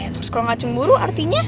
terus kalau nggak cemburu artinya